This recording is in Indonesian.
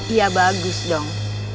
ya bagus dong